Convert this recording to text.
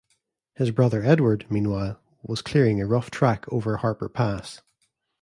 His brother Edward, meanwhile, was clearing a rough track over Harper Pass.